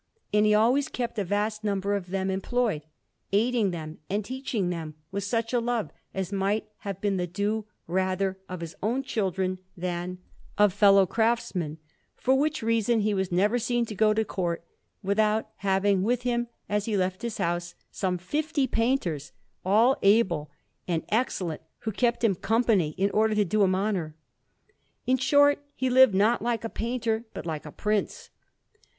And he always kept a vast number of them employed, aiding them and teaching them with such a love as might have been the due rather of his own children than of fellow craftsmen; for which reason he was never seen to go to Court without having with him, as he left his house, some fifty painters, all able and excellent, who kept him company in order to do him honour. In short, he lived not like a painter, but like a prince.